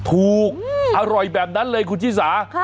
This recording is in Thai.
อร่อยแบบนั้นเลยคุณชิสา